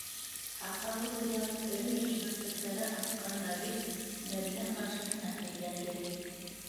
- Һаҡалы буйлап эре йәш бөрсөктәре аҡҡан Давид Мәҙинә ҡаршыһына теҙләнде.